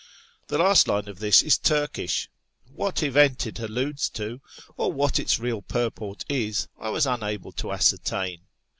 " The last line of this is Turkish : what event it alludes to, or what its real purport is, I was unable to ascertain.